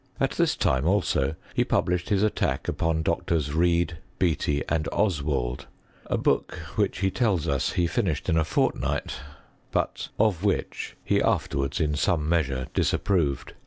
At this time also he published his attack upon Drs. Reid, Beattie, and Oswald; a book which, he tells us, he finished in a fortnight: but of which he afterwards, in some measure, disapproved.